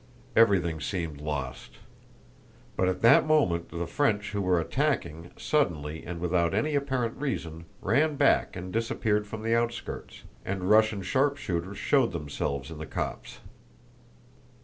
Everything seemed lost. But at that moment the French who were attacking, suddenly and without any apparent reason, ran back and disappeared from the outskirts, and Russian sharpshooters showed themselves in the copse.